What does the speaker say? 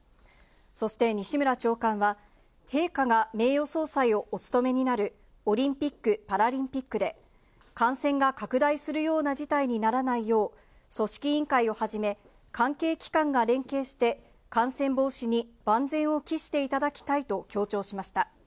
そして西村長官は、陛下が名誉総裁をお務めになるオリンピック・パラリンピックで、感染が拡大するような事態にならないよう、組織委員会をはじめ、関係機関が連携して、感染防止に万全を期していただきたいと強調しました。